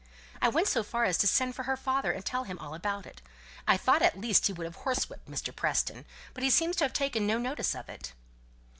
"I went so far as to send for her father and tell him all about it. I thought at least he would have horsewhipped Mr. Preston; but he seems to have taken no notice of it."